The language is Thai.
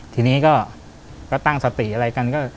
ทีนี้ก็ตั้งสติอะไรกันก็